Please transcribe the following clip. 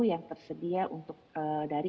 yang tersedia untuk dari